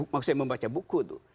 maksudnya membaca buku itu